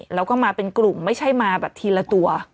แล้วก็มาเป็นกลุ่มไม่ใช่มาแบบทีละตัว